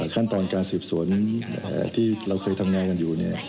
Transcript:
ขั้นตอนการสืบสวนที่เราเคยทำงานกันอยู่